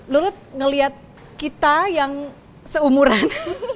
lu lihat kita yang seumuran